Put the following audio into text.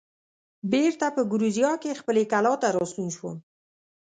بېرته په ګوریزیا کې خپلې کلا ته راستون شوم.